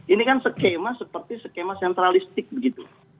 ini kan skema seperti skema sentralistik begitu